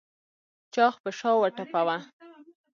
چاغ په شا وټپوه.